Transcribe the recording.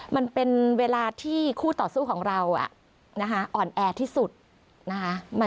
มันเป็นเวลาที่คู่ต่อสู้ของเราอ่อนแอที่สุดนะคะ